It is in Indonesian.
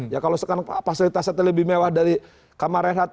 ya kalau sekarang fasilitasnya terlebih mewah dari kamar rehat